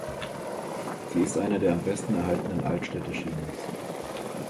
Sie ist eine der am besten erhaltenen Altstädte Chinas.